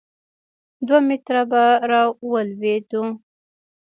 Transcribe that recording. دوه متره به را ولوېدو.